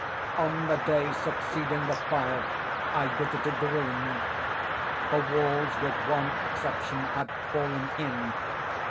On the day succeeding the fire, I visited the ruins. The walls, with one exception, had fallen in.